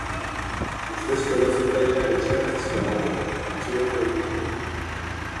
Ustezko erasotzailea etxean zegoen eta atxilotu egin dute.